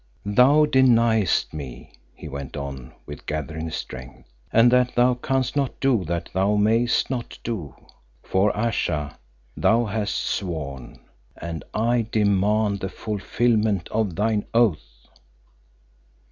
"Thou deniest me," he went on with gathering strength, "and that thou canst not do, that thou mayest not do, for Ayesha, thou hast sworn, and I demand the fulfilment of thine oath.